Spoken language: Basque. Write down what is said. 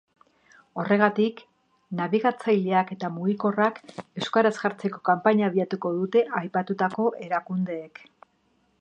Horregatik, nabigatzaileak eta mugikorrak euskaraz jartzeko kanpaina abiatuko dute aipatutako erakundeek.